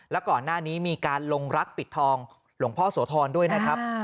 แล้วก่อนหน้านี้มีการลงรักปิดทองหลวงพ่อโสธรด้วยนะครับ